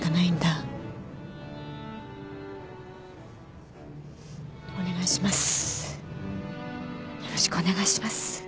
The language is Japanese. よろしくお願いします。